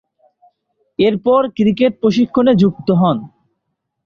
এরপর ক্রিকেট প্রশিক্ষণে যুক্ত হন।